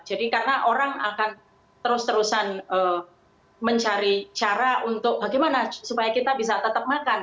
jadi karena orang akan terus terusan mencari cara untuk bagaimana supaya kita bisa tetap makan